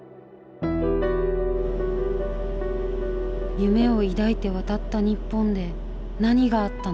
夢を抱いて渡った日本で何があったのか。